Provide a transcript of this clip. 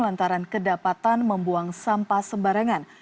lantaran kedapatan membuang sampah sembarangan